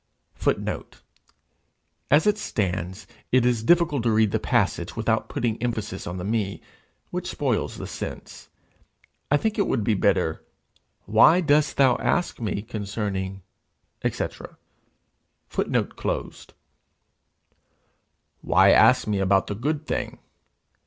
[Footnote: As it stands, it is difficult to read the passage without putting emphasis on the me, which spoils the sense. I think it would better be, 'Why dost thou ask me concerning &c.?'] 'Why ask me about the good thing?